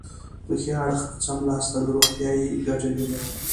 په ښي اړخ څملاستل روغتیایي ګټې لري.